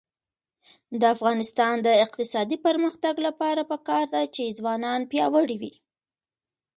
د افغانستان د اقتصادي پرمختګ لپاره پکار ده چې ځوانان پیاوړي وي.